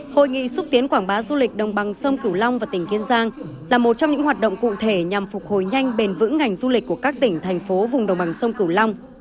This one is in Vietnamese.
hội nghị xúc tiến quảng bá du lịch đồng bằng sông cửu long và tỉnh kiên giang là một trong những hoạt động cụ thể nhằm phục hồi nhanh bền vững ngành du lịch của các tỉnh thành phố vùng đồng bằng sông cửu long